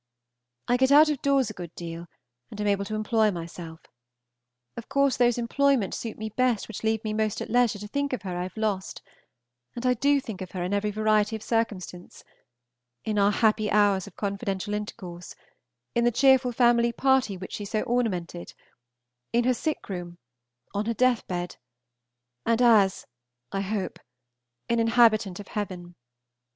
I get out of doors a good deal, and am able to employ myself. Of course those employments suit me best which leave me most at leisure to think of her I have lost, and I do think of her in every variety of circumstance, in our happy hours of confidential intercourse, in the cheerful family party which she so ornamented, in her sick room, on her death bed, and as (I hope) an inhabitant of heaven.